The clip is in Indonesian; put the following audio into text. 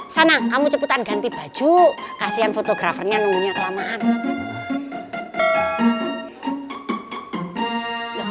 sana kamu cepetan ganti baju kasihan fotografernya nunggunya kelamaan